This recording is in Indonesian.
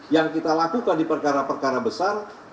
yang kita lakukan di perkara perkara besar